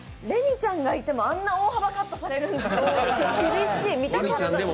れにちゃんがいてもあんな大幅カットされるんですか、厳しい。